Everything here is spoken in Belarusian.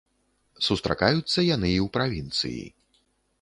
Сустракаюцца яны і ў правінцыі.